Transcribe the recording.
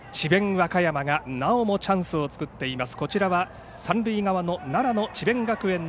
和歌山がなおもチャンスを作っています。